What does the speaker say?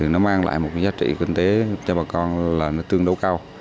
nó mang lại một giá trị kinh tế cho bà con tương đối cao